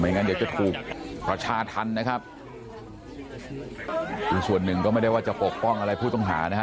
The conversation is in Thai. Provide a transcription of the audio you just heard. งั้นเดี๋ยวจะถูกประชาธรรมนะครับอีกส่วนหนึ่งก็ไม่ได้ว่าจะปกป้องอะไรผู้ต้องหานะฮะ